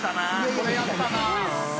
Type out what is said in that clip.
これやったなあ。